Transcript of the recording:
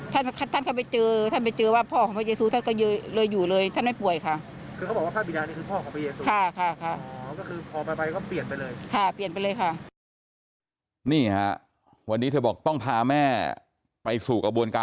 ถ้าท่านเข้าไปเจอท่านไปเจอว่าพ่อของพระเยซูท่านก็เลยอยู่เลยท่านไม่ป่วยค่ะ